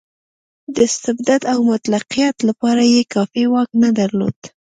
د استبداد او مطلقیت لپاره یې کافي واک نه درلود.